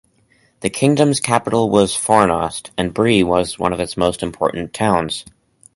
The kingdom's capital was Fornost, and Bree was one of its important towns.